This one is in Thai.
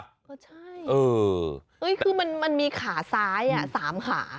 ก็ใช่คือมันมีขาซ้าย๓ขา